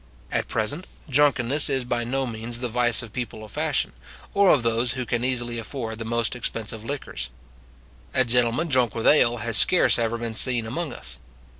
At present, drunkenness is by no means the vice of people of fashion, or of those who can easily afford the most expensive liquors. A gentleman drunk with ale has scarce ever been seen among us.